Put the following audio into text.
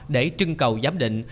để trưng cầu giám định